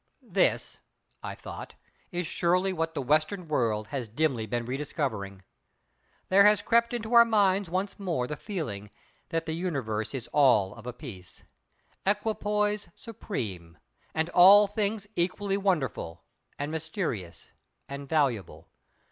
This—I thought is surely what the Western world has dimly been rediscovering. There has crept into our minds once more the feeling that the Universe is all of a piece, Equipoise supreme; and all things equally wonderful, and mysterious, and valuable.